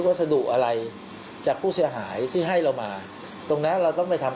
วัสดุอะไรจากผู้เสียหายที่ให้เรามาตรงนั้นเราต้องไปทำ